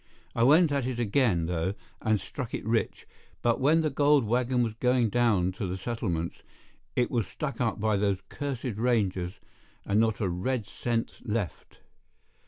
I went at it again, though, and struck it rich; but when the gold wagon was going down to the settlements, it was stuck up by those cursed rangers, and not a red cent left."